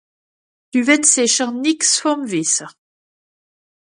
Dü wìtt sìcher nìx vùm wìsse ?